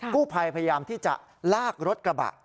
ผู้ภัยพยายามที่จะลากรถกระบะ